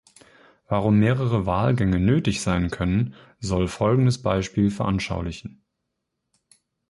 Warum mehrere Wahlgänge nötig sein können, soll folgendes Beispiel veranschaulichen.